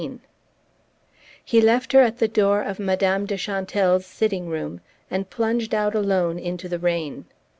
XIX He left her at the door of Madame de Chantelle's sitting room, and plunged out alone into the rain.